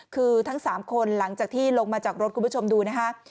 คือทั้ง๓คนหลังจากที่ลงมาจากรถคุณผู้ชมดูนะคะ